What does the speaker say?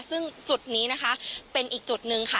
ซึ่งจุดนี้นะคะเป็นอีกจุดหนึ่งค่ะ